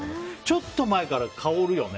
ちょっと前から香るよね